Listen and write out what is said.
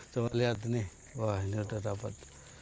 coba lihat ini wah ini sudah dapat